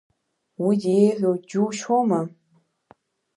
Уи деиӷьу џьушьома?!